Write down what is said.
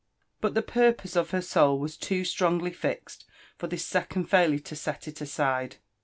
But the purpose of her soul was too strotigly fixed for this secohd failure to set it s(side.